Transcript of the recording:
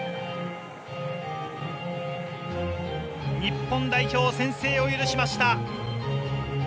日本代表、先制を許しました。